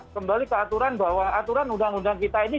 kembali ke aturan bahwa aturan undang undang kita ini